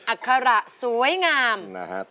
ร้องไปกับสายน้ำง